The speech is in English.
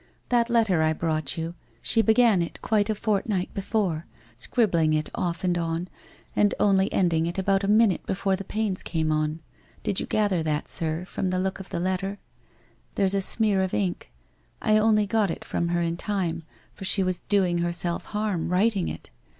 That letter I brought you, she began it quite a fortnight before, scribbling it off and on, and only ended it about a minute before the pains came on. Did you gather that, sir, from the look of the letter? There's a smear of ink — I only got it from her in time, for she was doing herself harm, writing it.